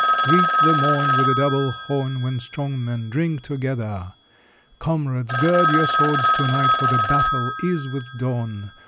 Greet the morn With a double horn, When strong men drink together! Comrades, gird your swords to night, For the battle is with dawn!